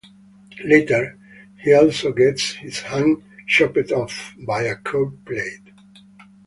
Later, he also gets his hand chopped off by a curved blade.